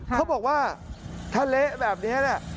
เขาบอกว่าถ้าเละแบบนี้